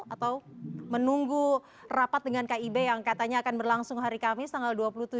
atau menunggu rapat dengan kib yang katanya akan berlangsung hari kamis tanggal dua puluh tujuh